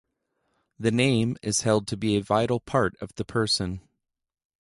The name is held to be a vital part of the person.